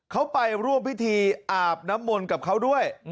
เขาไปร่วมพิธีอาบน้ำมนต์กับเขาด้วย